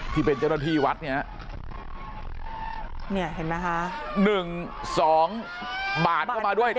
ที่เป็นเจ้าเราที่วัดนี้ละเนี่ยเห็นไหม๓๓๑๒บ๊าทออกมาด้วย